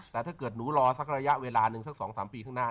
แต่ถ้าเกิดหนูรอสักระยะเวลาหนึ่งสัก๒๓ปีข้างหน้า